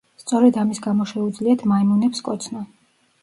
სწორედ ამის გამო შეუძლიათ მაიმუნებს კოცნა.